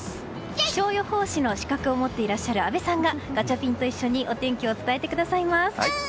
気象予報士の資格を持っていらっしゃる阿部さんがガチャピンと一緒にお天気を伝えてくださいます。